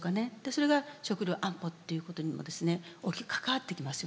それが食料安保ということにもですね大きく関わってきますよね。